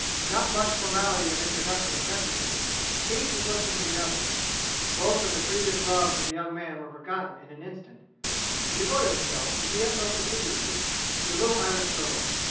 Not much formality of introduction was necessary: each was looking for the other. Both of the previous loves of the young man were forgotten in an instant. He devoted himself with the utmost assiduity, to the little Irish girl.